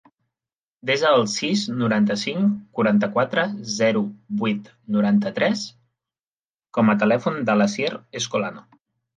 Desa el sis, noranta-cinc, quaranta-quatre, zero, vuit, noranta-tres com a telèfon de l'Asier Escolano.